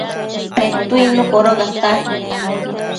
Petuidnu codocata